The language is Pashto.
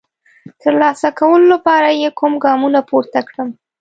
د ترلاسه کولو لپاره یې کوم ګامونه پورته کړم؟